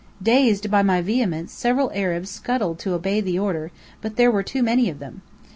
Dazed by my vehemence, several Arabs scuttled to obey the order, but there were too many of them.